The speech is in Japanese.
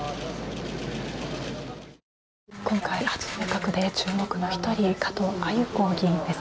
今回初入閣で注目の１人加藤鮎子議員です。